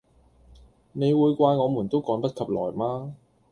你會怪我們都趕不及來嗎？